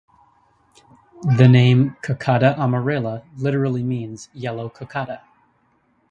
The name, "cocada amarela", literally means "yellow cocada".